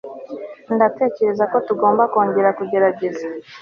ndatekereza ko tugomba kongera kugerageza